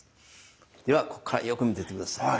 ではここからよく見ていて下さい。